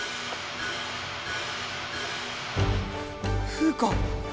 フウカ！